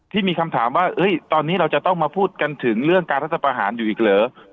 ที่มีคำถามว่าตอนนี้เราจะต้องมาพูดกันถึงเรื่องการรัฐประหารอยู่อีกเหรอ